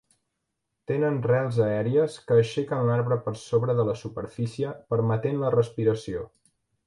Tenen rels aèries que aixequen l'arbre per sobre de la superfície permetent la respiració.